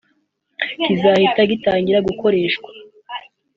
kizahita gitangira gukoreshwa